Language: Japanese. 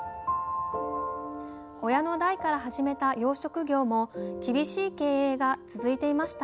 親の代から始めた養殖業も厳しい経営が続いていました